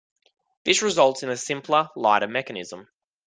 This results in a simpler, lighter mechanism.